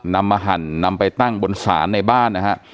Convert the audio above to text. นำมาหั่นนำไปตั้งบนศาลในบ้านนะฮะ